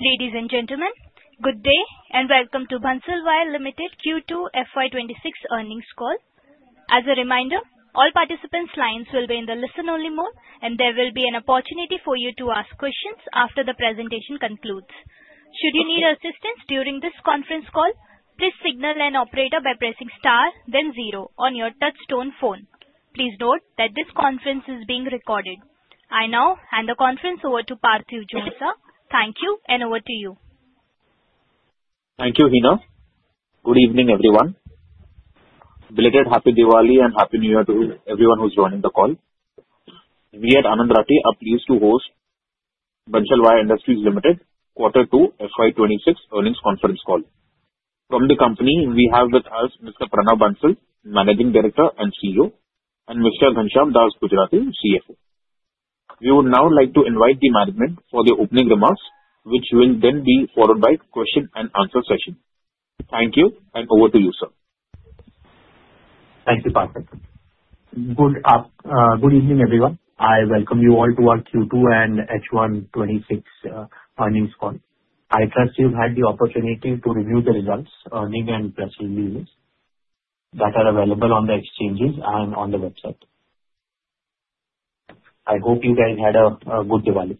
Ladies and gentlemen, good day and welcome to Bansal Wire Limited Q2 FY26 Earnings Call. As a reminder, all participants' lines will be in the listen-only mode, and there will be an opportunity for you to ask questions after the presentation concludes. Should you need assistance during this conference call, please signal an operator by pressing star, then zero, on your touchtone phone. Please note that this conference is being recorded. I now hand the conference over to Parthiv Jhonsa. Thank you, and over to you. Thank you, Heena. Good evening, everyone. Belated Happy Diwali and Happy New Year to everyone who's joining the call. We at Anand Rathi are pleased to host Bansal Wire Industries Limited Q2 FY26 Earnings Conference Call. From the company, we have with us Mr. Pranav Bansal, Managing Director and CEO, and Mr. Ghanshyam Gujrati, CFO. We would now like to invite the management for the opening remarks, which will then be followed by a question-and-answer session. Thank you, and over to you, sir. Thank you, Parthiv. Good evening, everyone. I welcome you all to our Q2 and H1 FY26 earnings call. I trust you've had the opportunity to review the results, earnings and press releases that are available on the exchanges and on the website. I hope you guys had a good Diwali.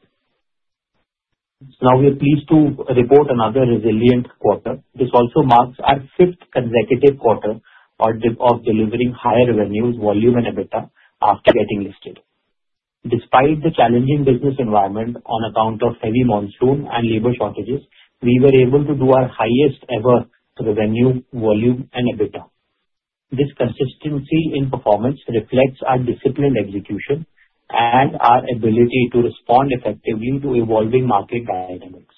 Now, we're pleased to report another resilient quarter. This also marks our fifth consecutive quarter of delivering higher revenues, volume, and EBITDA after getting listed. Despite the challenging business environment on account of heavy monsoon and labor shortages, we were able to do our highest-ever revenue, volume, and EBITDA. This consistency in performance reflects our disciplined execution and our ability to respond effectively to evolving market dynamics.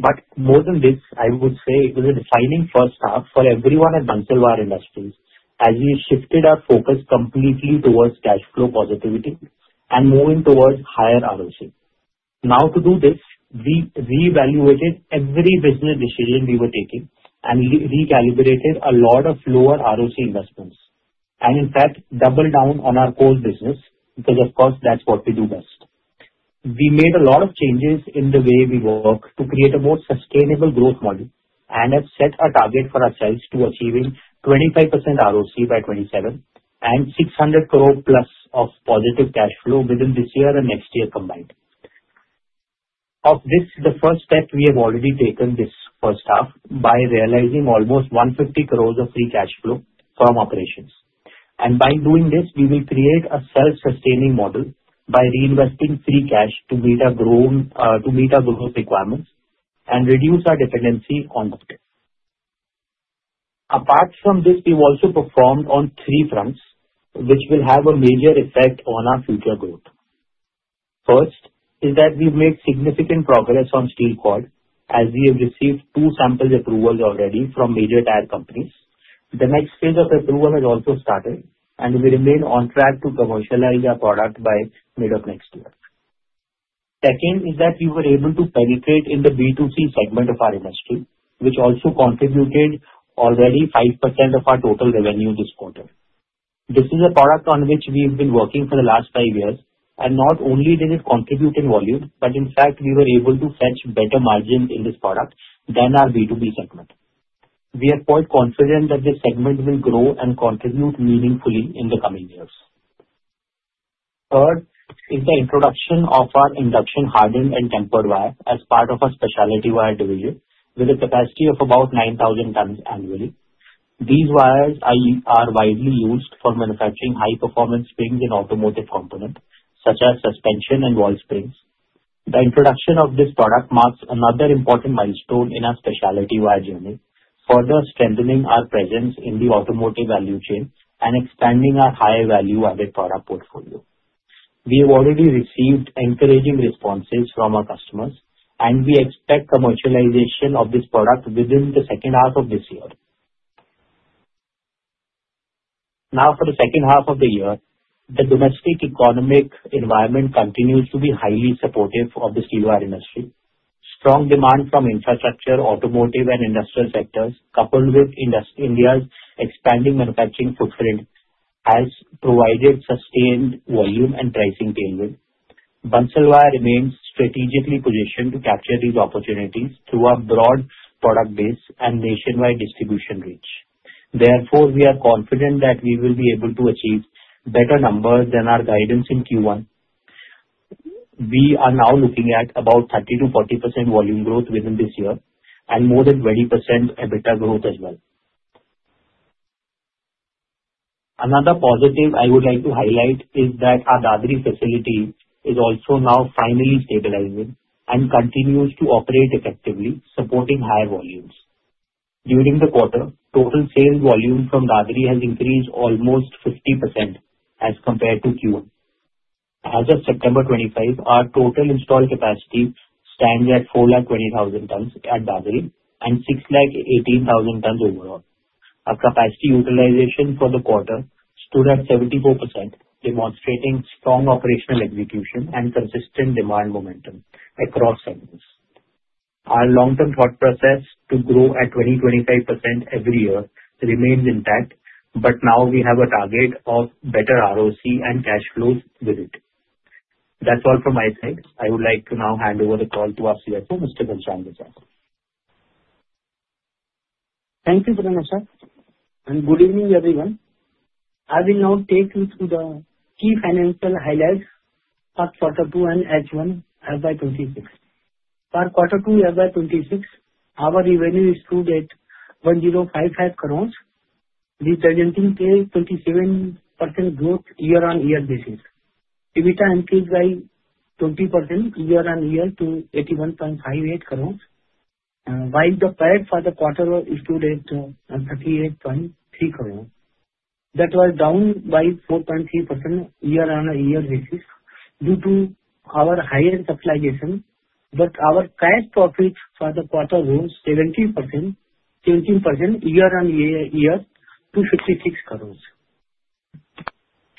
But more than this, I would say it was a defining first half for everyone at Bansal Wire Industries as we shifted our focus completely towards cash flow positivity and moving towards higher ROCE. Now, to do this, we reevaluated every business decision we were taking and recalibrated a lot of lower ROCE investments and, in fact, doubled down on our core business because, of course, that's what we do best. We made a lot of changes in the way we work to create a more sustainable growth model and have set a target for ourselves to achieve 25% ROCE by 2027 and 600 crore plus of positive cash flow within this year and next year combined. Of this, the first step we have already taken this first half by realizing almost 150 crores of free cash flow from operations. And by doing this, we will create a self-sustaining model by reinvesting free cash to meet our growth requirements and reduce our dependency on the market. Apart from this, we've also performed on three fronts which will have a major effect on our future growth. First is that we've made significant progress on steel cord as we have received two sample approvals already from major tire companies. The next phase of approval has also started, and we remain on track to commercialize our product by mid of next year. Second is that we were able to penetrate in the B2C segment of our industry, which also contributed already 5% of our total revenue this quarter. This is a product on which we have been working for the last five years, and not only did it contribute in volume, but in fact, we were able to fetch better margins in this product than our B2B segment. We are quite confident that this segment will grow and contribute meaningfully in the coming years. Third is the introduction of our induction hardened and tempered wire as part of our specialty wire division with a capacity of about 9,000 tons annually. These wires are widely used for manufacturing high-performance springs in automotive components such as suspension and valve springs. The introduction of this product marks another important milestone in our specialty wire journey, further strengthening our presence in the automotive value chain and expanding our high value-added product portfolio. We have already received encouraging responses from our customers, and we expect commercialization of this product within the second half of this year. Now, for the second half of the year, the domestic economic environment continues to be highly supportive of the steel wire industry. Strong demand from infrastructure, automotive, and industrial sectors, coupled with India's expanding manufacturing footprint, has provided sustained volume and pricing tailwinds. Bansal Wire remains strategically positioned to capture these opportunities through our broad product base and nationwide distribution reach. Therefore, we are confident that we will be able to achieve better numbers than our guidance in Q1. We are now looking at about 30%-40% volume growth within this year and more than 20% EBITDA growth as well. Another positive I would like to highlight is that our Dadri facility is also now finally stabilizing and continues to operate effectively, supporting higher volumes. During the quarter, total sales volume from Dadri has increased almost 50% as compared to Q1. As of September 25, our total installed capacity stands at 420,000 tons at Dadri and 618,000 tons overall. Our capacity utilization for the quarter stood at 74%, demonstrating strong operational execution and consistent demand momentum across segments. Our long-term thought process to grow at 20%-25% every year remains intact, but now we have a target of better ROCE and cash flows with it. That's all from my side. I would like to now hand over the call to our CFO, Mr. Ghanshyam Gujrati. Thank you, Pranav sir, and good evening, everyone. I will now take you through the key financial highlights for Q2 and H1 FY26. For Q2 FY26, our revenue is stood at INR 1055 crores, representing a 27% growth year-on-year basis. EBITDA increased by 20% year-on-year to 81.58 crores, while the PAT for the quarter stood at 38.3 crores. That was down by 4.3% year-on-year basis due to our higher capitalization, but our cash profit for the quarter rose 70% to 18% year-on-year to 56 crores.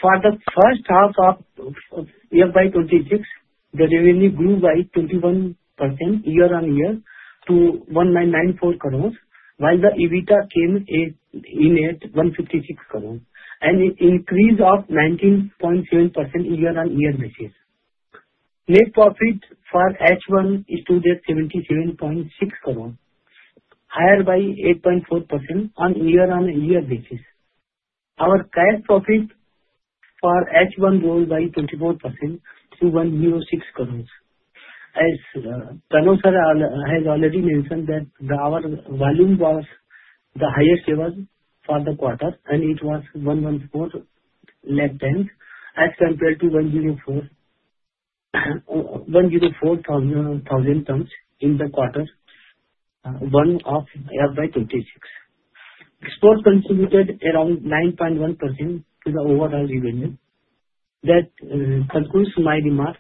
For the first half of FY26, the revenue grew by 21% year-on-year to 1994 crores, while the EBITDA came in at 156 crores, an increase of 19.7% year-on-year basis. Net profit for H1 is stood at 77.6 crores, higher by 8.4% on year-on-year basis. Our cash profit for H1 rose by 24% to 106 crores. As Pranav sir has already mentioned, our volume was the highest ever for the quarter, and it was 1.14 lakh tons as compared to 104,000 tons in the quarter one of FY26. Exports contributed around 9.1% to the overall revenue. That concludes my remarks.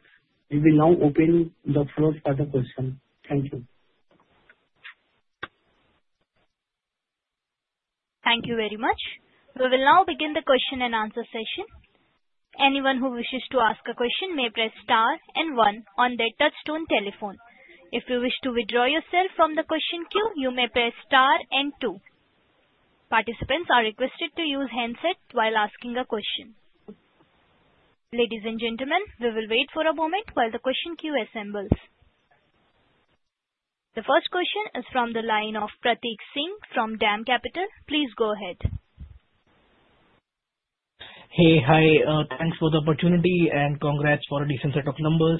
We will now open the floor for the questions. Thank you. Thank you very much. We will now begin the question-and-answer session. Anyone who wishes to ask a question may press star and one on their touch-tone telephone. If you wish to withdraw yourself from the question queue, you may press star and two. Participants are requested to use handset while asking a question. Ladies and gentlemen, we will wait for a moment while the question queue assembles. The first question is from the line of Pratik Singh from DAM Capital. Please go ahead. Hey, hi. Thanks for the opportunity, and congrats for a decent set of numbers.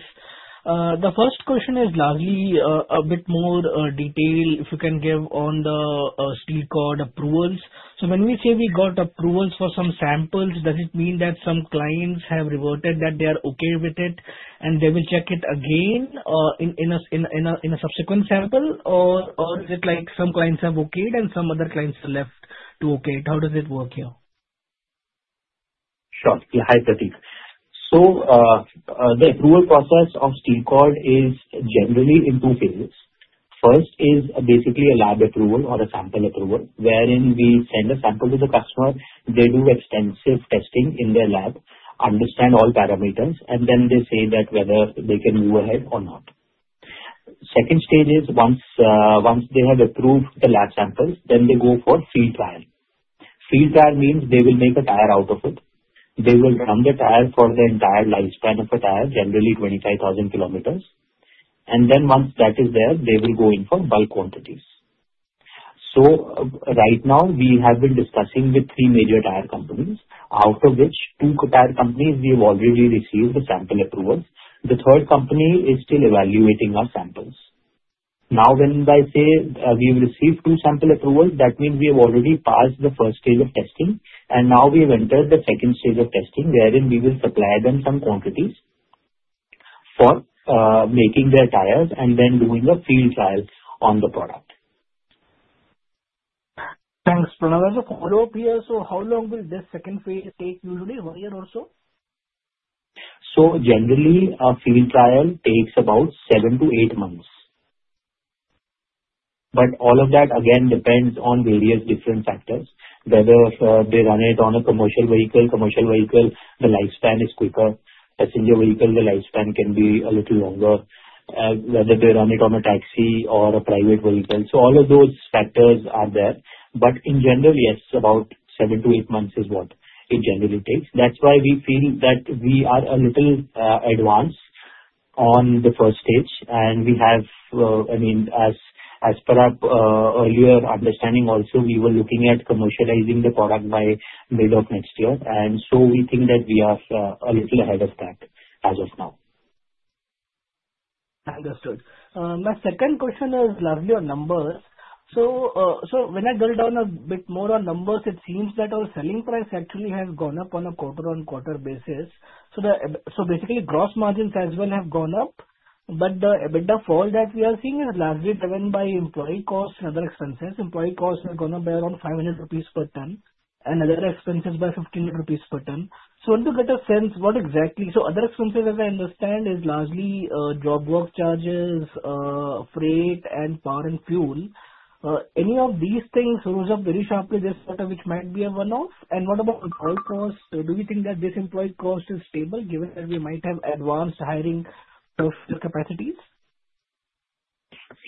The first question is largely a bit more detail if you can give on the steel cord approvals? So when we say we got approvals for some samples, does it mean that some clients have reported that they are okay with it, and they will check it again in a subsequent sample? Or is it like some clients have okayed and some other clients left to okay it? How does it work here? Sure. Hi, Pratik. So the approval process of steel cord is generally in two phases. First is basically a lab approval or a sample approval, wherein we send a sample to the customer. They do extensive testing in their lab, understand all parameters, and then they say that whether they can move ahead or not. Second stage is once they have approved the lab samples, then they go for field trial. Field trial means they will make a tire out of it. They will run the tire for the entire lifespan of a tire, generally 25,000 kilometers. And then once that is there, they will go in for bulk quantities. So right now, we have been discussing with three major tire companies, out of which two tire companies we have already received the sample approvals. The third company is still evaluating our samples. Now, when I say we have received two sample approvals, that means we have already passed the first stage of testing, and now we have entered the second stage of testing, wherein we will supply them some quantities for making their tires and then doing a field trial on the product. Thanks, Pranav. As a follow-up here, so how long will this second phase take usually? One year or so? So generally, a field trial takes about seven to eight months. But all of that, again, depends on various different factors, whether they run it on a commercial vehicle. Commercial vehicle, the lifespan is quicker. Passenger vehicle, the lifespan can be a little longer, whether they run it on a taxi or a private vehicle. So all of those factors are there. But in general, yes, about seven to eight months is what it generally takes. That's why we feel that we are a little advanced on the first stage. And we have, I mean, as per our earlier understanding, also we were looking at commercializing the product by mid of next year. And so we think that we are a little ahead of that as of now. Understood. My second question is largely on numbers. So when I drill down a bit more on numbers, it seems that our selling price actually has gone up on a quarter-on-quarter basis. So basically, gross margins as well have gone up, but the EBITDA fall that we are seeing is largely driven by employee costs and other expenses. Employee costs have gone up by around 500 rupees per ton and other expenses by 15 rupees per ton. So to get a sense, what exactly so other expenses, as I understand, is largely job work charges, freight, and power and fuel. Any of these things rose up very sharply this quarter, which might be a one-off? And what about employee costs? Do we think that this employee cost is stable, given that we might have advanced hiring capacities?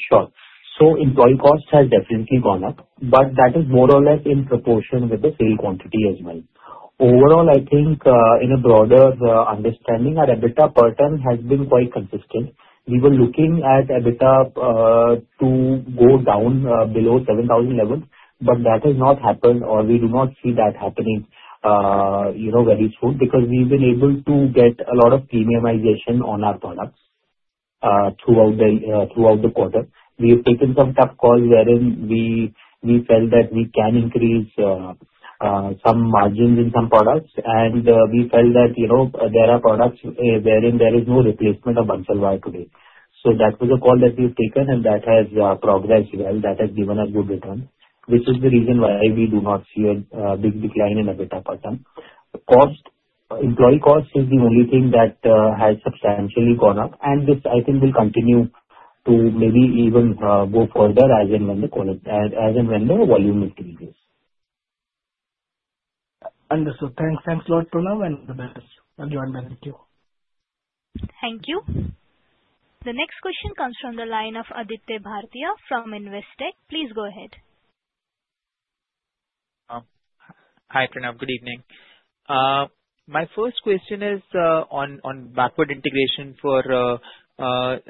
Sure. So employee costs have definitely gone up, but that is more or less in proportion with the sale quantity as well. Overall, I think in a broader understanding, our EBITDA per ton has been quite consistent. We were looking at EBITDA to go down below 7,000 level, but that has not happened, or we do not see that happening very soon because we've been able to get a lot of premiumization on our products throughout the quarter. We have taken some tough calls wherein we felt that we can increase some margins in some products, and we felt that there are products wherein there is no replacement of Bansal Wire today. So that was a call that we have taken, and that has progressed well. That has given us good return, which is the reason why we do not see a big decline in EBITDA per ton. Employee cost is the only thing that has substantially gone up, and this, I think, will continue to maybe even go further as and when the volume increases. Understood. Thanks a lot, Pranav, and the best. Enjoy, Bansal Wire Industries. Thank you. The next question comes from the line of Aditya Bhartia from Investec. Please go ahead. Hi, Pranav. Good evening. My first question is on backward integration for stainless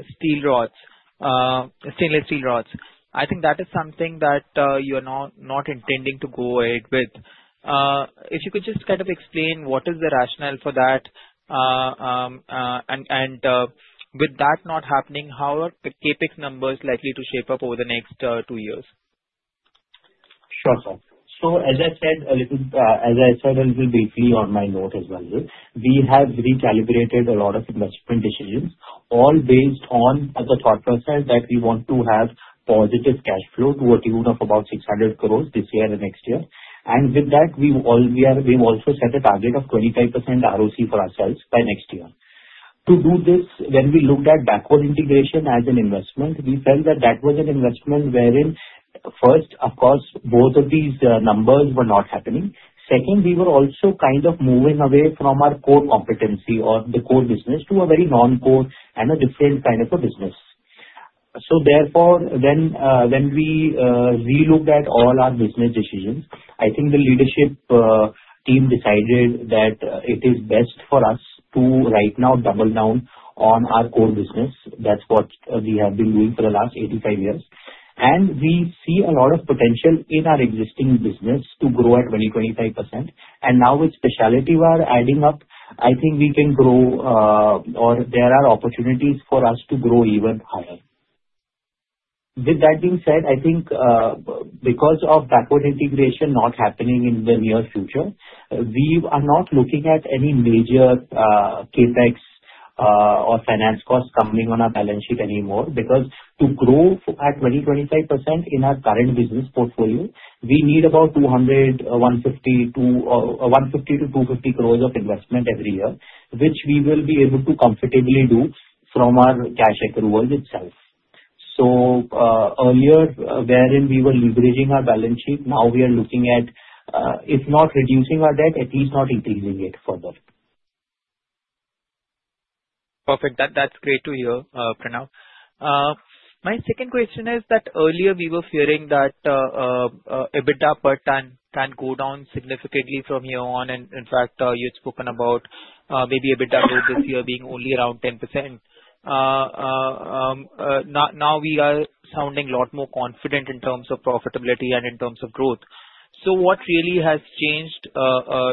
steel rods. I think that is something that you are not intending to go ahead with. If you could just kind of explain what is the rationale for that, and with that not happening, how are the CapEx numbers likely to shape up over the next two years? Sure, so as I said a little bit briefly on my note as well, we have recalibrated a lot of investment decisions, all based on the thought process that we want to have positive cash flow to a tune of about 600 crores this year and next year, and with that, we've also set a target of 25% ROCE for ourselves by next year. To do this, when we looked at backward-integration as an investment, we felt that that was an investment wherein, first, of course, both of these numbers were not happening. Second, we were also kind of moving away from our core competency or the core business to a very non-core and a different kind of a business. Therefore, when we re-looked at all our business decisions, I think the leadership team decided that it is best for us to right now double down on our core business. That's what we have been doing for the last 85 years. We see a lot of potential in our existing business to grow at 20%-25%. Now with specialty-wire adding up, I think we can grow, or there are opportunities for us to grow even higher. With that being said, I think because of backward-integration not happening in the near future, we are not looking at any major CapEx or finance costs coming on our balance sheet anymore because to grow at 20%-25% in our current business portfolio, we need about 150-250 crore of investment every year, which we will be able to comfortably do from our cash flows itself. Earlier, wherein we were leveraging our balance sheet, now we are looking at, if not reducing our debt, at least not increasing it further. Perfect. That's great to hear, Pranav. My second question is that earlier we were fearing that EBITDA-per-ton can go down significantly from here on. And in fact, you had spoken about maybe EBITDA growth this year being only around 10%. Now we are sounding a lot more confident in terms of profitability and in terms of growth. So what really has changed?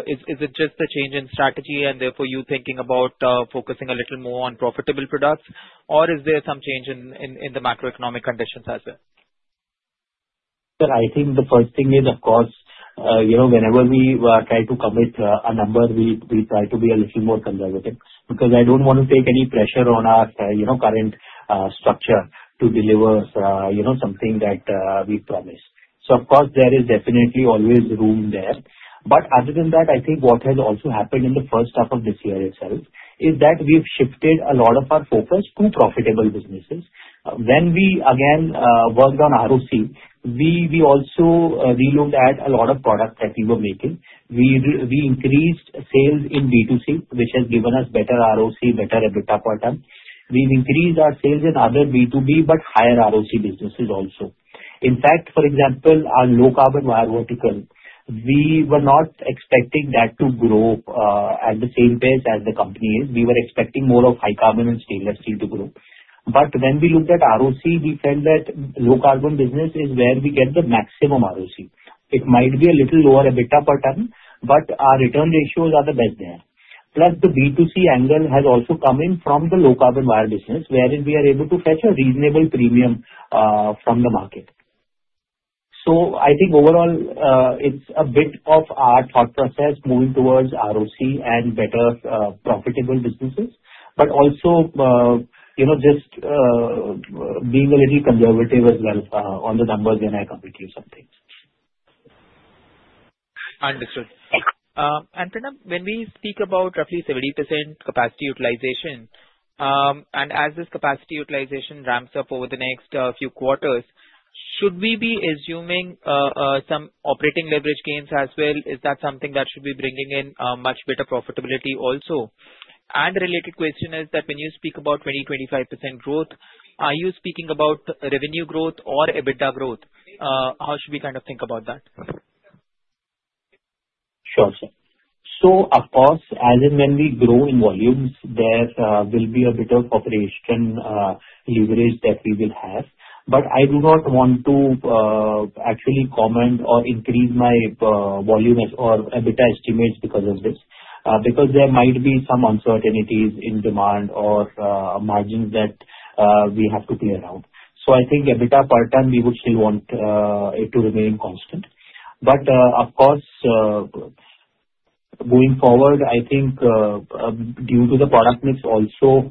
Is it just the change in strategy and therefore you thinking about focusing a little more on profitable products, or is there some change in the macro-economic conditions as well? Well, I think the first thing is, of course, whenever we try to commit a number, we try to be a little more conservative because I don't want to take any pressure on our current structure to deliver something that we promise. So of course, there is definitely always room there. But other than that, I think what has also happened in the first half of this year itself is that we've shifted a lot of our focus to profitable businesses. When we again worked on ROCE, we also re-looked at a lot of products that we were making. We increased sales in B2C, which has given us better ROCE, better EBITDA-per-ton. We've increased our sales in other B2B, but higher ROCE businesses also. In fact, for example, our low-carbon wire vertical, we were not expecting that to grow at the same pace as the company is. We were expecting more of high-carbon and stainless steel to grow. But when we looked at ROCE, we felt that low carbon business is where we get the maximum ROCE. It might be a little lower EBITDA-per-ton, but our return ratios are the best there. Plus, the B2C angle has also come in from the low-carbon wire business, wherein we are able to fetch a reasonable premium from the market. So I think overall, it's a bit of our thought process moving towards ROCE and better profitable businesses, but also just being a little conservative as well on the numbers when I compute some things. Understood. And Pranav, when we speak about roughly 70% capacity-utilization, and as this capacity-utilization ramps up over the next few quarters, should we be assuming some operating-leverage gains as well? Is that something that should be bringing in much better profitability also? And a related question is that when you speak about 20%-25% growth, are you speaking about revenue growth or EBITDA growth? How should we kind of think about that? Sure. So of course, as and when we grow in volumes, there will be a bit of operating-leverage that we will have. But I do not want to actually comment or increase my volume or EBITDA estimates because of this because there might be some uncertainties in demand or margins that we have to clear out. So I think EBITDA-per-ton, we would still want it to remain constant. But of course, going forward, I think due to the product-mix also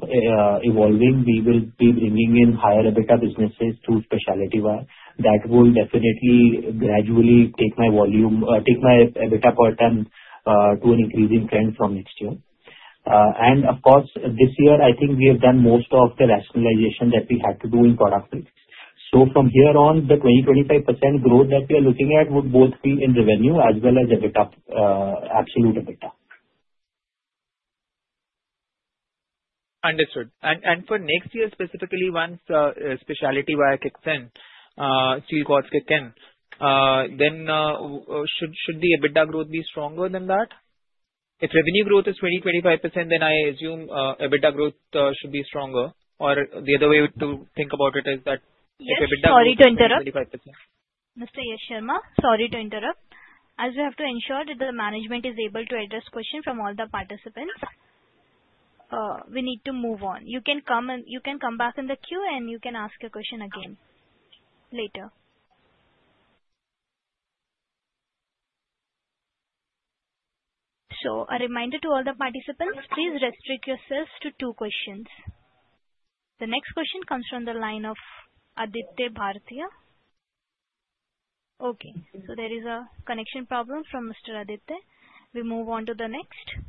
evolving, we will be bringing in higher EBITDA businesses through specialty-wire. That will definitely gradually take my EBITDA-per-ton to an increasing trend from next year. And of course, this year, I think we have done most of the rationalization that we had to do in product-mix. From here on, the 20%-25% growth that we are looking at would both be in revenue as well as absolute EBITDA. Understood. And for next year, specifically, once specialty-wire kicks in, steel-cords kick in, then should the EBITDA growth be stronger than that? If revenue growth is 20%-25%, then I assume EBITDA growth should be stronger. Or the other way to think about it is that if EBITDA grows to 20%-25%. Sorry to interrupt. Mr. Yash Sharma, sorry to interrupt. As we have to ensure that the management is able to address questions from all the participants, we need to move on. You can come back in the queue, and you can ask your question again later. So a reminder to all the participants, please restrict yourselves to two questions. The next question comes from the line of Aditya Bhartia. Okay. So there is a connection problem from Mr. Aditya. We move on to the next.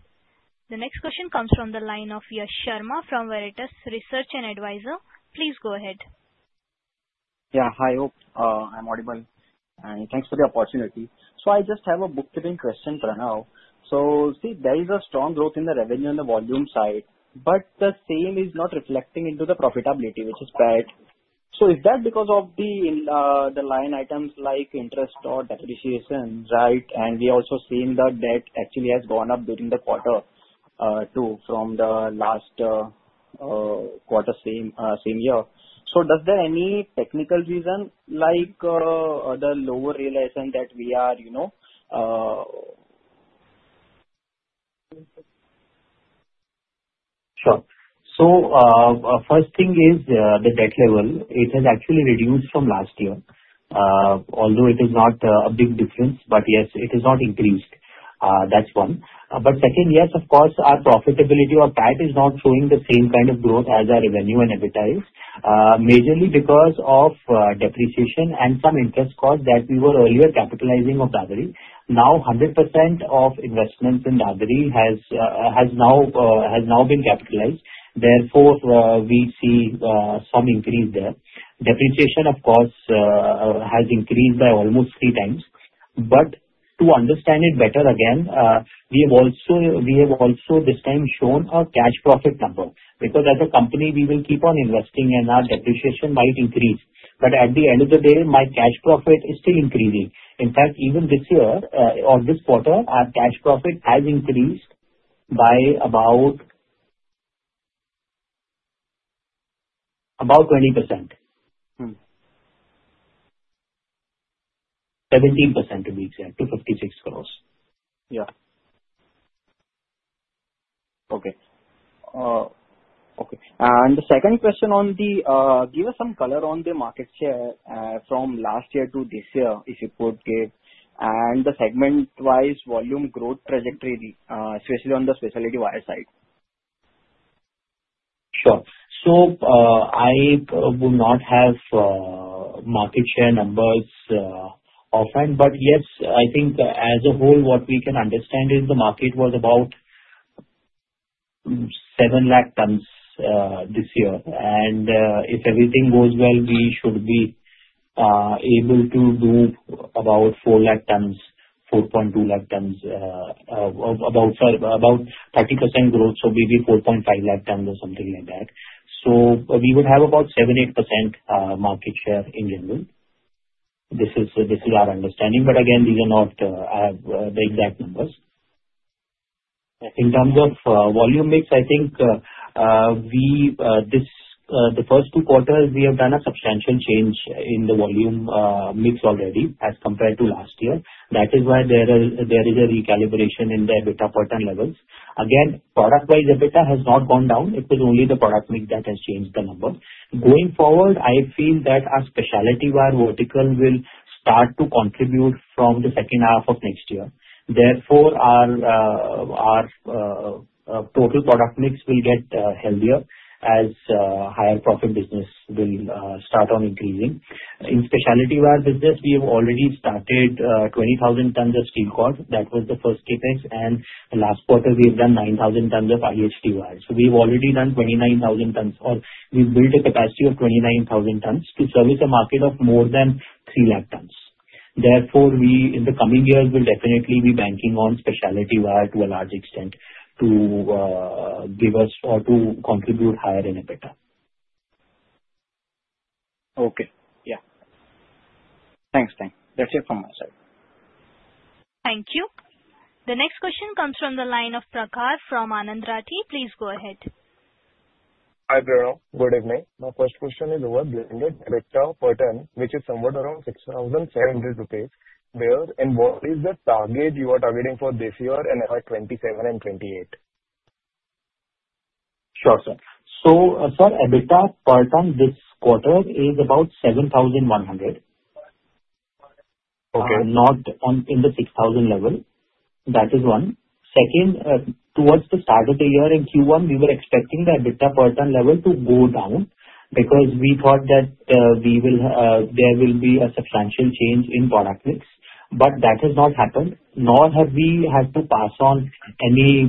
The next question comes from the line of Yash Sharma from Veritas Research & Advisors. Please go ahead. Yeah. Hi, hope I'm audible. And thanks for the opportunity. So I just have a bookkeeping question, Pranav. So see, there is a strong growth in the revenue and the volume side, but the same is not reflecting into the profitability, which is bad. So is that because of the line-items like interest or depreciation, right? And we are also seeing that debt actually has gone up during the quarter too from the last quarter same year. So does there any technical reason like the lower realization that we are? Sure. So first thing is the debt level. It has actually reduced from last year, although it is not a big difference, but yes, it has not increased. That's one. But second, yes, of course, our profitability or PAT is not showing the same kind of growth as our revenue and EBITDA is, majorly because of depreciation and some interest costs that we were earlier capitalizing of Dadri. Now 100% of investments in Dadri has now been capitalized. Therefore, we see some increase there. Depreciation, of course, has increased by almost three times. But to understand it better again, we have also this time shown a cash-profit number because as a company, we will keep on investing, and our depreciation might increase. But at the end of the day, my cash-profit is still increasing. In fact, even this year or this quarter, our cash-profit has increased by about 20%. 17% to be exact, to 56 crores. And the second question: give us some color on the market share from last year to this year, if you could, and the segment-wise volume growth trajectory, especially on the specialty-wire side. Sure. So I will not have market share numbers offhand, but yes, I think as a whole, what we can understand is the market was about 7 lakh tonnes this year, and if everything goes well, we should be able to do about 4 lakh tonnes, 4.2 lakh tonnes, about 30% growth, so maybe 4.5 lakh tonnes or something like that, so we would have about 7%-8% market share in general. This is our understanding, but again, these are not the exact numbers. In terms of volume mix, I think the first two quarters, we have done a substantial change in the volume-mix already as compared to last year. That is why there is a recalibration in the EBITDA-per-ton levels. Again, product-wise, EBITDA has not gone down. It is only the product-mix that has changed the number. Going forward, I feel that our specialty wire vertical will start to contribute from the second half of next year. Therefore, our total product-mix will get healthier as higher profit business will start on increasing. In specialty-wire business, we have already started 20,000 tons of steel-cords. That was the first CapEx. And last quarter, we have done 9,000 tons of IHT wires. So we've already done 29,000 tonnes, or we've built a capacity of 29,000 tons to service a market of more than 3 lakh tons. Therefore, in the coming years, we'll definitely be banking on specialty-wire to a large extent to give us or to contribute higher in EBITDA. Okay. Yeah. Thanks, thank you. That's it from my side. Thank you. The next question comes from the line of Prakash from Anand Rathi. Please go ahead. Hi Pranav. Good evening. My first question is over blended EBITDA-per-ton, which is somewhere around 6,700 rupees, and what is the target you are targeting for this year and FY27 and FY28? Sure, sir. So for EBITDA-per-ton, this quarter is about 7,100, not in the 6,000 level. That is one. Second, towards the start of the year in Q1, we were expecting the EBITDA-per-ton level to go down because we thought that there will be a substantial change in product-mix. But that has not happened, nor have we had to pass on any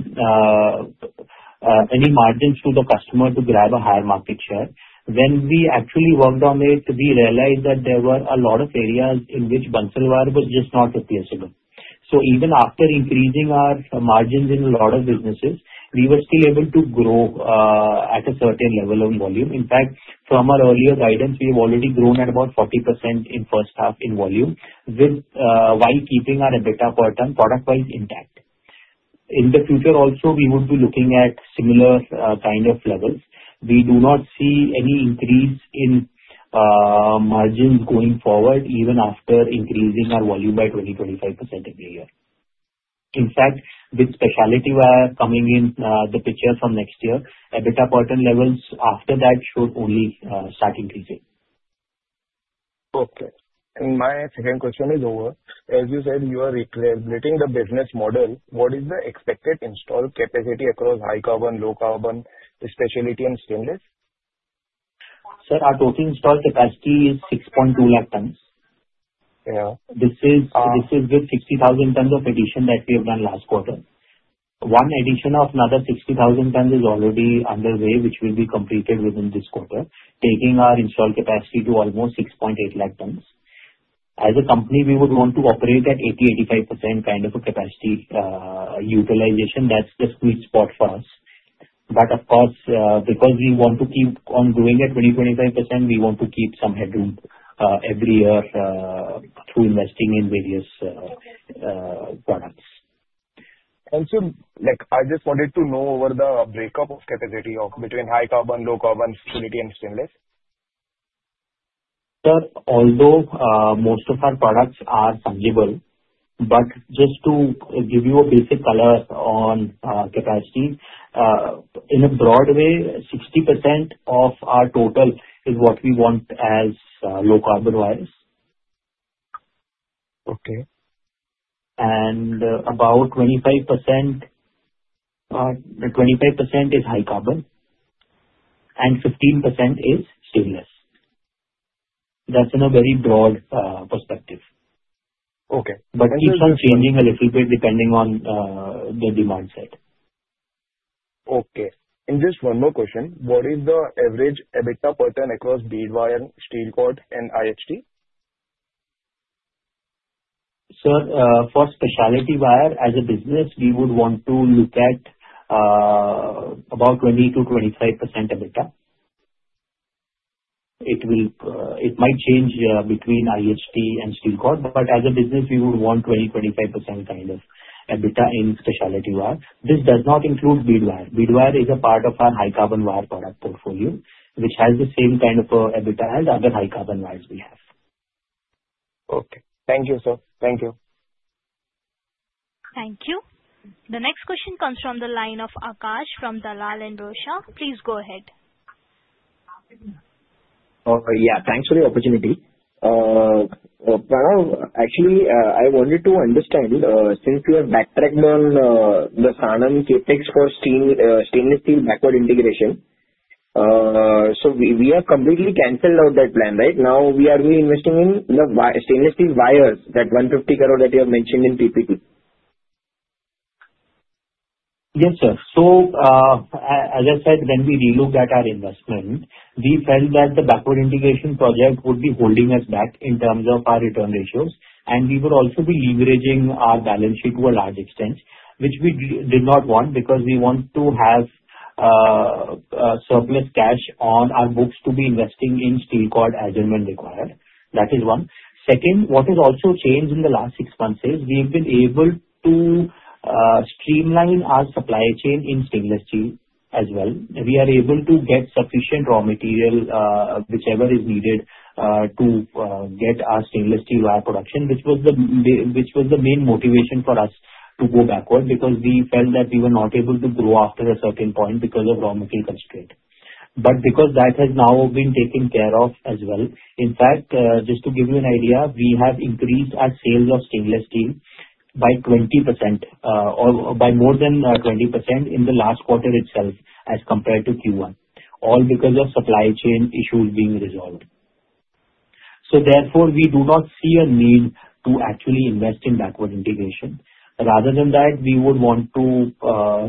margins to the customer to grab a higher market share. When we actually worked on it, we realized that there were a lot of areas in which Bansal Wire was just not replaceable. So even after increasing our margins in a lot of businesses, we were still able to grow at a certain level of volume. In fact, from our earlier guidance, we have already grown at about 40% in first-half in volume while keeping our EBITDA-per-ton product-wise intact. In the future also, we would be looking at similar kind of levels. We do not see any increase in margins going forward, even after increasing our volume by 20%-25% every year. In fact, with specialty-wire coming in the picture from next year, EBITDA-per-ton levels after that should only start increasing. Okay. And my second question is over. As you said, you are recalibrating the business model. What is the expected installed capacity across high carbon, low carbon, specialty, and stainless? Sir, our total installed-capacity is 6.2 lakh tonnes. This is with 60,000 tonnes of addition that we have done last quarter. One addition of another 60,000 tonnes is already underway, which will be completed within this quarter, taking our installed capacity to almost 6.8 lakh tons. As a company, we would want to operate at 80%-85% kind of a capacity utilization. That's the sweet spot for us. But of course, because we want to keep on doing at 20%-25%, we want to keep some headroom every year through investing in various products. Also, I just wanted to know over the break-up of capacity between high carbon, low carbon, specialty, and stainless. Sir, although most of our products are fungible, but just to give you a basic color on capacity, in a broad way, 60% of our total is what we want as low-carbon wires, and about 25% is high-carbon, and 15% is stainless. That's in a very broad perspective, but it keeps on changing a little bit depending on the demand-side. Okay. And just one more question. What is the average EBITDA-per-ton across bead-wire, steel-cord, and IHT? Sir, for Specialty Wire, as a business, we would want to look at about 20%-25% EBITDA. It might change between IHT and Steel Cord, but as a business, we would want 20%-25% kind of EBITDA in specialty-wire. This does not include bead-wire. Bead-wire is a part of our high-carbon wire product portfolio, which has the same kind of EBITDA as other high-carbon wires we have. Okay. Thank you, sir. Thank you. Thank you. The next question comes from the line of Akash from Dalal & Broacha. Please go ahead. Yeah. Thanks for the opportunity. Pranav, actually, I wanted to understand since we have backtracked on the Sanand CapEx for stainless-steel backward integration. So we have completely canceled out that plan, right? Now we are reinvesting in the stainless-steel wires, that 150 crore that you have mentioned in PPT. Yes, sir. So as I said, when we relooked at our investment, we felt that the backward-integration project would be holding us back in terms of our return-ratios. And we would also be leveraging our balance sheet to a large extent, which we did not want because we want to have surplus cash on our books to be investing in steel cord as and when required. That is one. Second, what has also changed in the last six months is we have been able to streamline our supply-chain in stainless-steel as well. We are able to get sufficient raw material, whichever is needed to get our stainless steel wire production, which was the main motivation for us to go backward because we felt that we were not able to grow after a certain point because of raw material constraint. But because that has now been taken care of as well. In fact, just to give you an idea, we have increased our sales of stainless steel by 20% or by more than 20% in the last quarter itself as compared to Q1, all because of supply chain issues being resolved. So therefore, we do not see a need to actually invest in backward integration. Rather than that, we would want to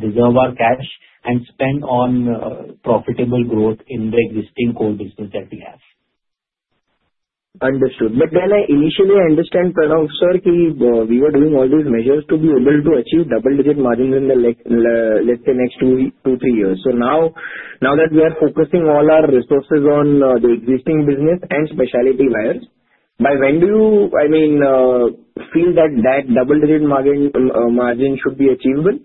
reserve our cash and spend on profitable growth in the existing core-business that we have. Understood. But then I initially understand, Pranav, sir, that we were doing all these measures to be able to achieve double-digit margins in the, let's say, next two, three years. So now that we are focusing all our resources on the existing business and specialty-wires, by when do you, I mean, feel that that double-digit margin should be achievable?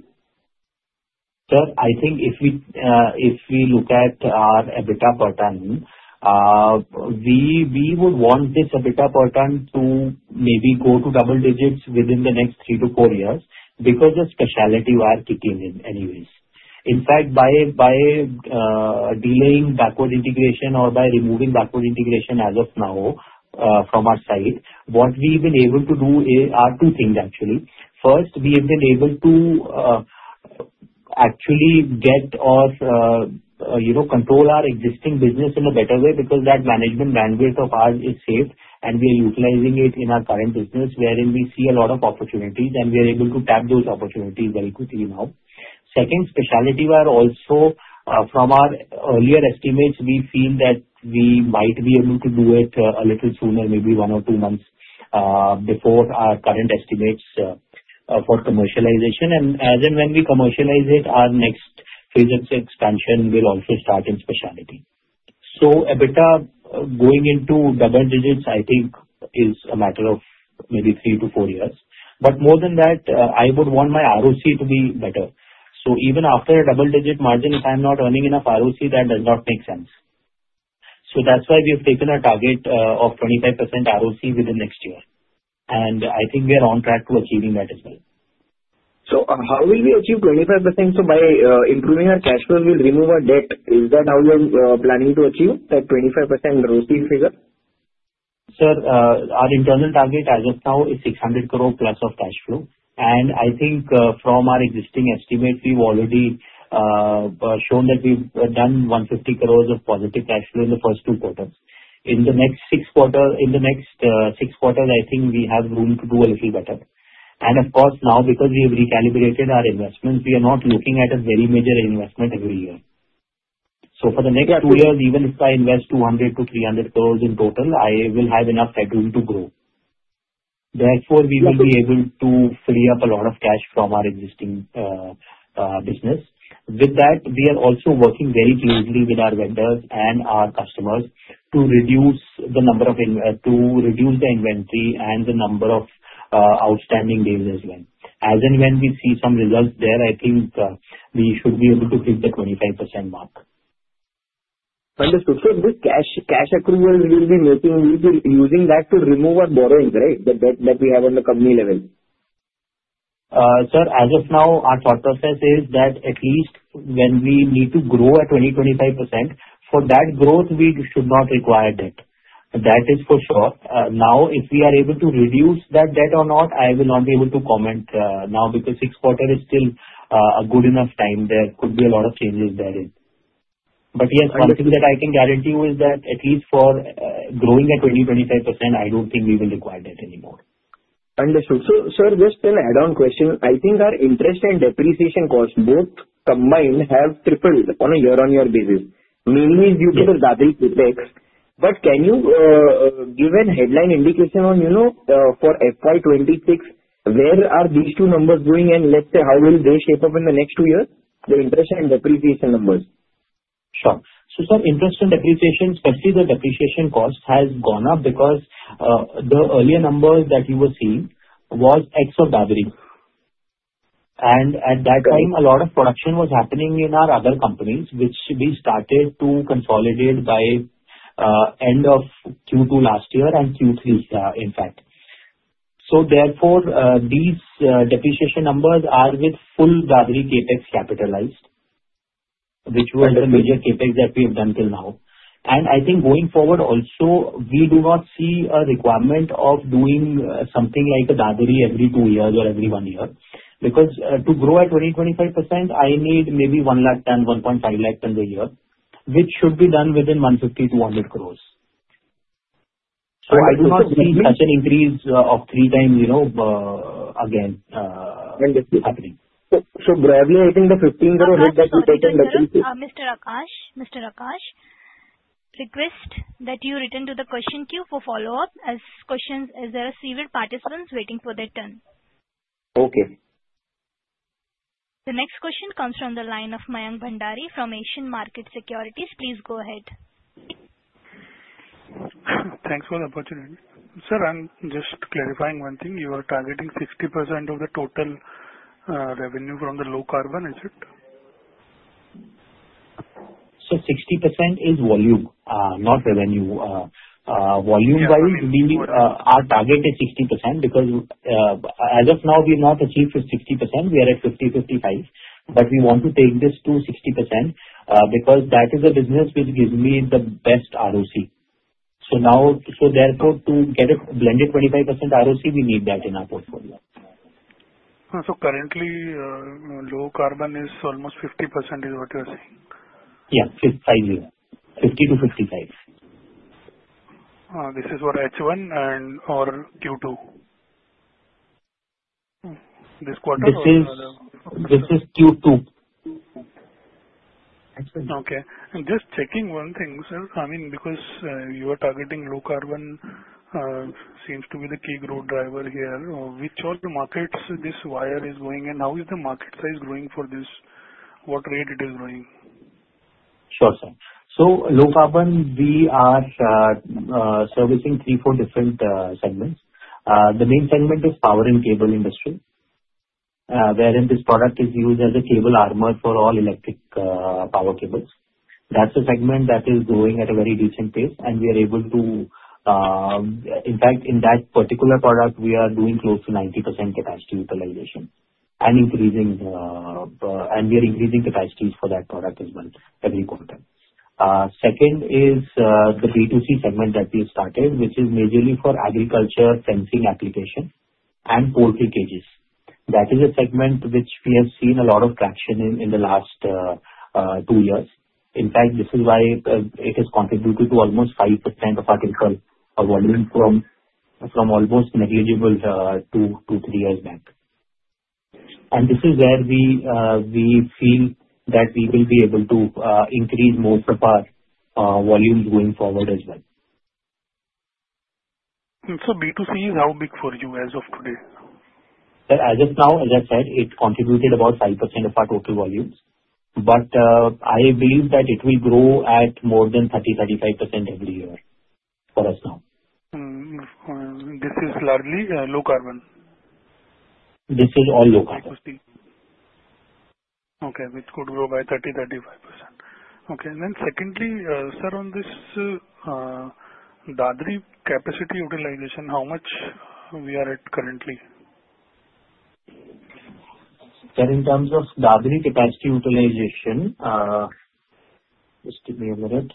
Sir, I think if we look at our EBITDA-per-ton, we would want this EBITDA-per-ton to maybe go to double digits within the next three to four years because of specialty-wire kicking in anyways. In fact, by delaying backward-integration or by removing backward integration as of now from our side, what we have been able to do are two things, actually. First, we have been able to actually get or control our existing business in a better way because that management-bandwidth of ours is safe, and we are utilizing it in our current business, wherein we see a lot of opportunities, and we are able to tap those opportunities very quickly now. Second, specialty wire also, from our earlier estimates, we feel that we might be able to do it a little sooner, maybe one or two months before our current estimates for commercialization. And as and when we commercialize it, our next phase of expansion will also start in specialty. So EBITDA going into double-digits, I think, is a matter of maybe three-to-four years. But more than that, I would want my ROCE to be better. So even after a double-digit margin, if I'm not earning enough ROCE, that does not make sense. So that's why we have taken a target of 25% ROCE within next year. And I think we are on track to achieving that as well. So how will we achieve 25%? So by improving our cash-flow, we'll remove our debt. Is that how you're planning to achieve that 25% ROCE figure? Sir, our internal target as of now is 600 crore plus of cash-flow. And I think from our existing estimates, we've already shown that we've done 150 crores of positive cash-flow in the first two quarters. In the next six quarters, I think we have room to do a little better. And of course, now, because we have recalibrated our investments, we are not looking at a very major investment every year. So for the next two years, even if I invest 200-300 crores in total, I will have enough headroom to grow. Therefore, we will be able to free up a lot of cash from our existing business. With that, we are also working very closely with our vendors and our customers to reduce the number of inventory and the number of outstanding deals as well. As and when we see some results there, I think we should be able to hit the 25% mark. Understood. So this cash accrual we'll be making, we'll be using that to remove our borrowing, right, that we have on the company level? Sir, as of now, our thought process is that at least when we need to grow at 20%-25%, for that growth, we should not require debt. That is for sure. Now, if we are able to reduce that debt or not, I will not be able to comment now because six quarters is still a good enough time. There could be a lot of changes therein. But yes, one thing that I can guarantee you is that at least for growing at 20%-25%, I don't think we will require debt anymore. Understood. So sir, just an add-on question. I think our interest and depreciation costs both combined have tripled on a year-on-year basis. Mainly due to the new CapEx. But can you give a headline indication on for FY26, where are these two numbers going, and let's say how will they shape up in the next two years, the interest and depreciation numbers? Sure. So sir, interest and depreciation, especially the depreciation cost, has gone up because the earlier numbers that you were seeing was ex of Dadri. And at that time, a lot of production was happening in our other companies, which we started to consolidate by end of Q2 last year and Q3, in fact. So therefore, these depreciation numbers are with full Dadri CapEx capitalized, which was the major CapEx that we have done till now. And I think going forward also, we do not see a requirement of doing something like a Dadri every two years or every one year because to grow at 20%-25%, I need maybe 1.10-1.5 lakh tons a year, which should be done within 150-200 crores. So I do not see such an increase of three times again happening. So broadly, I think the 15 crore debt that you take and. Mr. Akash, Mr. Akash, request that you return to the question queue for follow-up questions as there are several participants waiting for their turn. Okay. The next question comes from the line of Mayank Bhandari from Asian Markets Securities. Please go ahead. Thanks for the opportunity. Sir, I'm just clarifying one thing. You are targeting 60% of the total revenue from the low carbon, is it? So 60% is volume, not revenue. Volume-wise, our target is 60% because as of now, we have not achieved 60%. We are at 50%-55%. But we want to take this to 60% because that is a business which gives me the best ROCE. So therefore, to get it blended 25% ROCE, we need that in our portfolio. So currently, low carbon is almost 50% is what you are saying? Yeah. It's 50% to 55%. This is for H1 or Q2? This quarter or this other? This is Q2. Okay, and just checking one thing, sir. I mean, because you are targeting low carbon, seems to be the key growth driver here. Which all markets this wire is going in? How is the market size growing for this? What rate it is growing? Sure, sir. So low-carbon, we are servicing three, four different segments. The main segment is power-and-cable industry, wherein this product is used as a cable-armor for all electric power cables. That's a segment that is growing at a very decent pace. And we are able to, in fact, in that particular product, we are doing close to 90% capacity-utilization and increasing, and we are increasing capacities for that product as well every quarter. Second is the B2C segment that we have started, which is majorly for agriculture, fencing-application, and poultry-cages. That is a segment which we have seen a lot of traction in the last two years. In fact, this is why it has contributed to almost 5% of our total volume from almost negligible two to three years back. This is where we feel that we will be able to increase most of our volume going forward as well. So B2C is how big for you as of today? As of now, as I said, it contributed about 5% of our total volume. But I believe that it will grow at more than 30%-35% every year for us now. This is largely low carbon? This is all low carbon. Okay. It could grow by 30%-35%. Okay. And then secondly, sir, on this Dadri capacity utilization, how much we are at currently? Sir, in terms of Dadri capacity utilization, just give me a minute.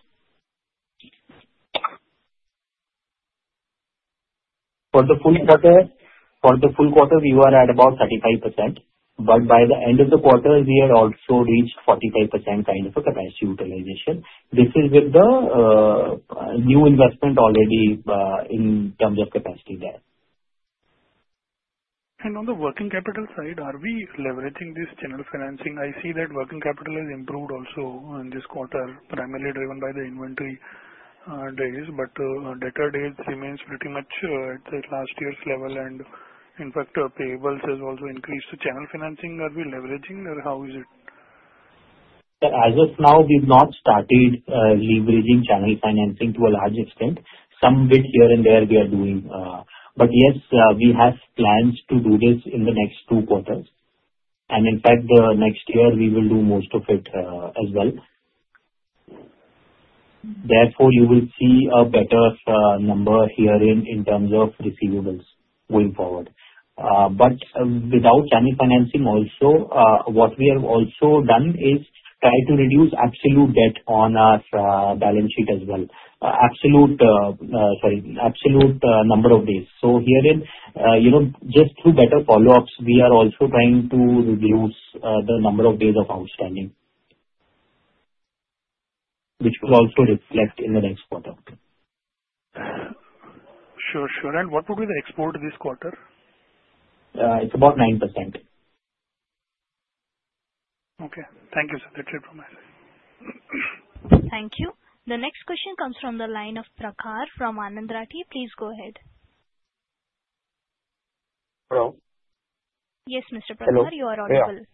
For the full quarter, we were at about 35%. But by the end of the quarter, we had also reached 45% kind of a capacity utilization. This is with the new investment already in terms of capacity there. And on the working-capital side, are we leveraging this channel financing? I see that working-capital has improved also in this quarter, primarily driven by the inventory-days. But debtor-days remains pretty much at last year's level. And in fact, payables has also increased. So channel-financing, are we leveraging or how is it? Sir, as of now, we've not started leveraging channel financing to a large extent. Some bit here and there we are doing. But yes, we have plans to do this in the next two quarters. And in fact, next year, we will do most of it as well. Therefore, you will see a better number here in terms of receivables going forward. But without channel financing also, what we have also done is tried to reduce absolute debt on our balance sheet as well. Absolute, sorry, absolute number of days. So herein, just through better follow-ups, we are also trying to reduce the number of days-of-outstanding, which will also reflect in the next quarter. Sure, sure. And what would be the export this quarter? It's about 9%. Okay. Thank you, sir. That's it from my side. Thank you. The next question comes from the line of Prakash from Anand Rathi. Please go ahead. Hello. Yes, Mr. Prakash. Hello. You are audible.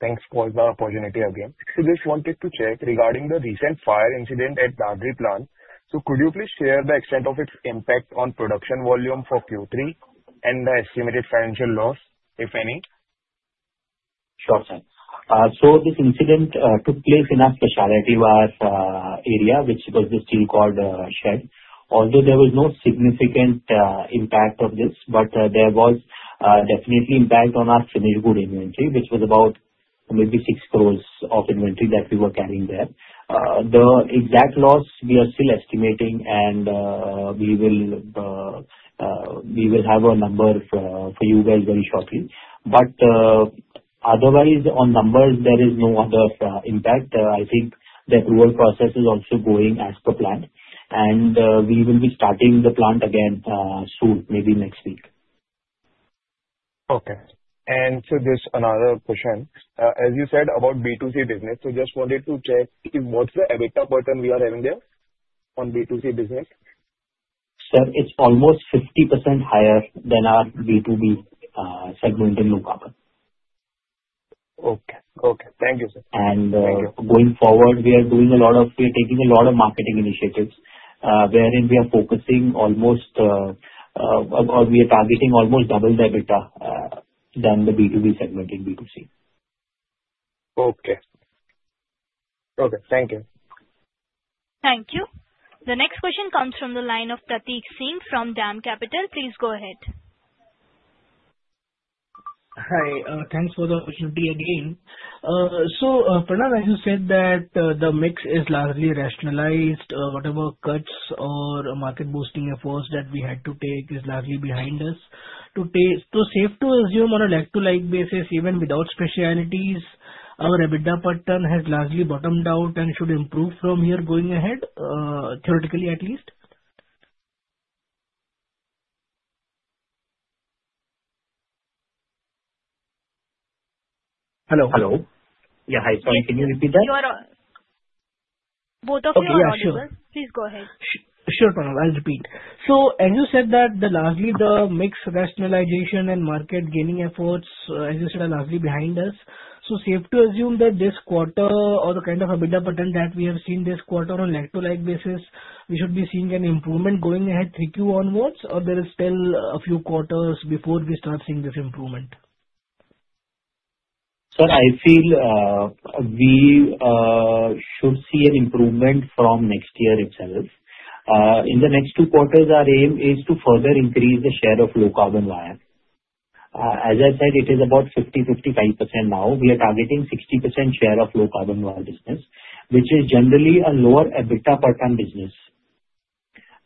Thanks for the opportunity again. Just wanted to check regarding the recent fire incident at Dadri-plant. So could you please share the extent of its impact on production volume for Q3 and the estimated financial loss, if any? Sure, sir. So this incident took place in our specialty-wire area, which was the steel cord shed. Although there was no significant impact of this, but there was definitely impact on our finished-good inventory, which was about maybe 6 crore of inventory that we were carrying there. The exact loss, we are still estimating, and we will have a number for you guys very shortly, but otherwise, on numbers, there is no other impact. I think the approval process is also going as per plan, and we will be starting the plant again soon, maybe next week. Okay. So just another question. As you said about B2C business, so just wanted to check what's the EBITDA-per-ton we are having there on B2C business? Sir, it's almost 50% higher than our B2B segment in low carbon. Okay. Okay. Thank you, sir. Going forward, we are taking a lot of marketing initiatives, wherein we are targeting almost double the EBITDA than the B2B segment in B2C. Okay. Okay. Thank you. Thank you. The next question comes from the line of Pratik Singh from DAM Capital. Please go ahead. Hi. Thanks for the opportunity again. So Pranav, as you said, that the mix is largely rationalized. Whatever cuts or market-boosting efforts that we had to take is largely behind us. So safe to assume on a like-for-like basis, even without specialties, our EBITDA per ton has largely bottomed out and should improve from here going ahead, theoretically at least? Hello. Hello. Yeah. Hi, sorry. Can you repeat that? You are on. Both of your lines are on. Okay. Yeah. Sure. Please go ahead. Sure, Pranav. I'll repeat. So as you said, that largely the mix rationalization and market gaining efforts, as you said, are largely behind us. So safe to assume that this quarter or the kind of EBITDA per ton that we have seen this quarter on a like-for-like basis, we should be seeing an improvement going ahead three Q onwards, or there is still a few quarters before we start seeing this improvement? Sir, I feel we should see an improvement from next year itself. In the next two quarters, our aim is to further increase the share of low carbon wire. As I said, it is about 50-55% now. We are targeting 60% share of low carbon wire business, which is generally a lower EBITDA per ton business.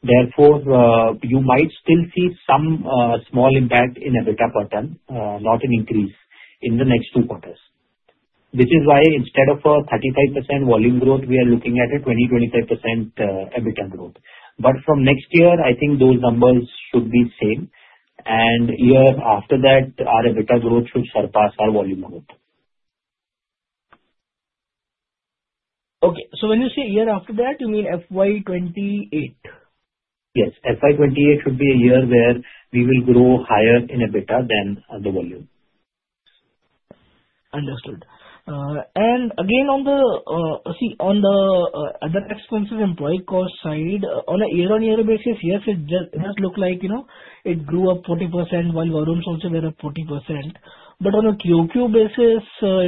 Therefore, you might still see some small impact in EBITDA per ton, not an increase in the next two quarters. This is why instead of a 35% volume growth, we are looking at a 20-25% EBITDA growth. But from next year, I think those numbers should be the same. And year after that, our EBITDA growth should surpass our volume growth. Okay. So when you say year after that, you mean FY 28? Yes. FY 2028 should be a year where we will grow higher in EBITDA than the volume. Understood. And again, on the other expenses, employee cost side, on a year-on-year basis, yes, it does look like it grew up 40% while volumes also were up 40%. But on a QQ basis,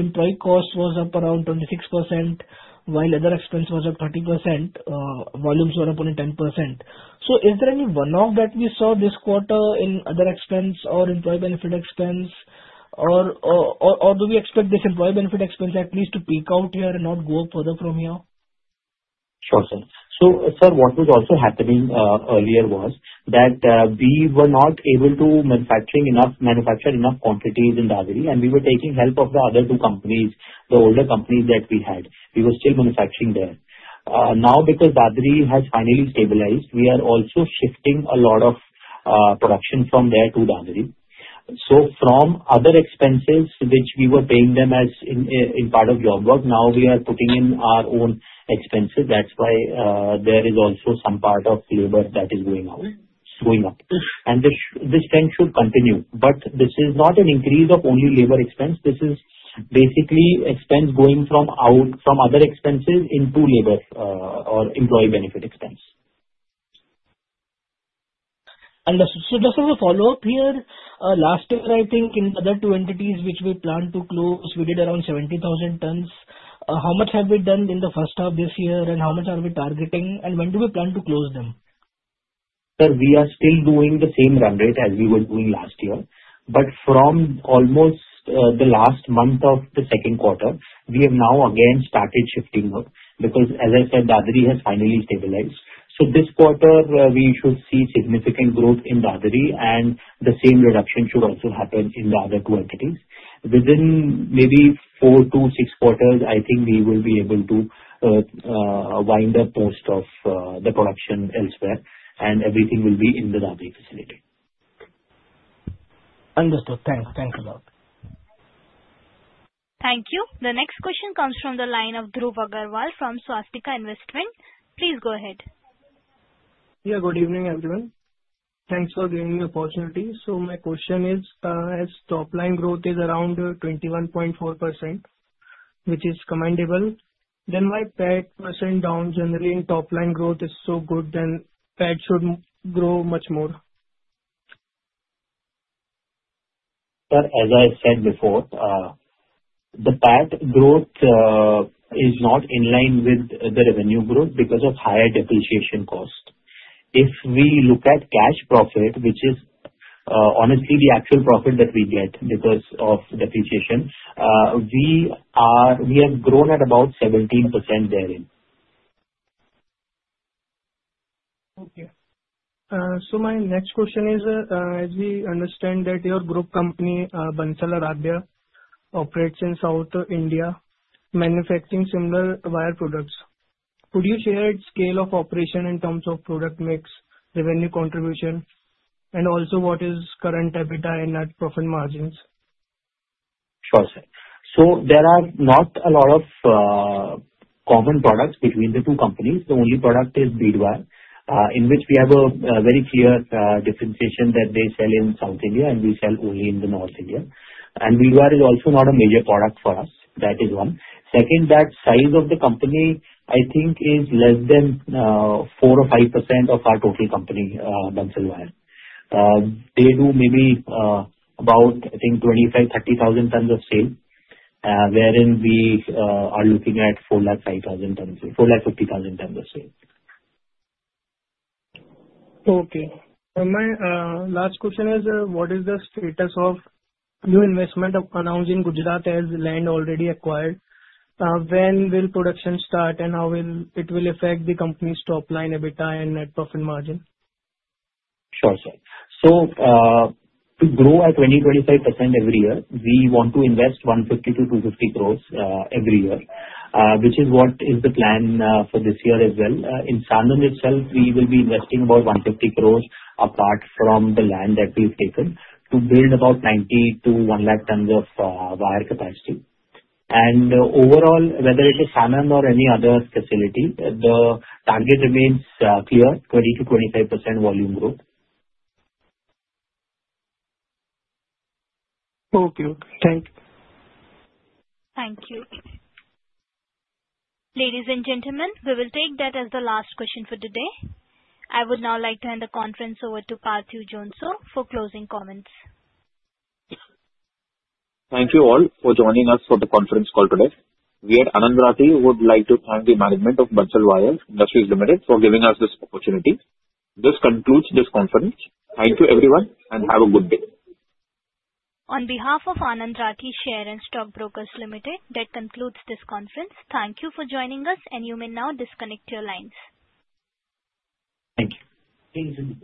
employee cost was up around 26% while other expense was up 30%. Volumes were up only 10%. So is there any one-off that we saw this quarter in other expense or employee benefit expense? Or do we expect this employee benefit expense at least to peak out here and not go up further from here? Sure, sir. So sir, what was also happening earlier was that we were not able to manufacture enough quantities in Dadri, and we were taking help of the other two companies, the older companies that we had. We were still manufacturing there. Now, because Dadri has finally stabilized, we are also shifting a lot of production from there to Dadri. So from other expenses, which we were paying them as part of job work, now we are putting in our own expenses. That's why there is also some part of labor that is going up. And this trend should continue. But this is not an increase of only labor expense. This is basically expense going from other expenses into labor or employee benefit expense. Understood. So just as a follow-up here, last year, I think in other two entities which we planned to close, we did around 70,000 tons. How much have we done in the first half this year, and how much are we targeting, and when do we plan to close them? Sir, we are still doing the same run rate as we were doing last year. But from almost the last month of the second quarter, we have now again started shifting up because, as I said, Dadri has finally stabilized. So this quarter, we should see significant growth in Dadri, and the same reduction should also happen in the other two entities. Within maybe four-to-six quarters, I think we will be able to wind up most of the production elsewhere, and everything will be in the Dadri facility. Understood. Thanks. Thanks a lot. Thank you. The next question comes from the line of Dhruv Agarwal from Swastika Investmart. Please go ahead. Yeah. Good evening, everyone. Thanks for giving me the opportunity. So my question is, as top-line growth is around 21.4%, which is commendable, then why PAT percent down? Generally in top-line growth is so good, then PAT should grow much more? Sir, as I said before, the PAT growth is not in line with the revenue growth because of higher depreciation cost. If we look at cash profit, which is honestly the actual profit that we get because of depreciation, we have grown at about 17% therein. Okay. So my next question is, as we understand that your group company, Bansal Aradhya, operates in South India, manufacturing similar wire products. Could you share its scale of operation in terms of product mix, revenue contribution, and also what is current EBITDA and net profit margins? Sure, sir. So there are not a lot of common products between the two companies. The only product is bead wire, in which we have a very clear differentiation that they sell in South India, and we sell only in North India, and bead wire is also not a major product for us. That is one. Second, that size of the company, I think, is less than 4 or 5% of our total company, Bansal Wire. They do maybe about, I think, 25-30 thousand tons of sale, wherein we are looking at 4,500 tons of sale. Okay. My last question is, what is the status of new investment announced in Gujarat as land already acquired? When will production start, and how will it affect the company's top-line EBITDA and net profit margin? Sure, sir, so to grow at 20%-25% every year, we want to invest 150-250 crores every year, which is what is the plan for this year as well. In Sanand itself, we will be investing about 150 crores apart from the land that we've taken to build about 90-100 tons of wire capacity, and overall, whether it is Sanand or any other facility, the target remains clear, 20%-25% volume growth. Okay. Okay. Thank you. Thank you. Ladies and gentlemen, we will take that as the last question for today. I would now like to hand the conference over to Parthiv Jhonsa for closing comments. Thank you all for joining us for the conference call today. We, at Anand Rathi, would like to thank the management of Bansal Wire Industries Limited for giving us this opportunity. This concludes this conference. Thank you, everyone, and have a good day. On behalf of Anand Rathi Share and Stock Brokers Limited, that concludes this conference. Thank you for joining us, and you may now disconnect your lines. Thank you. Thank you.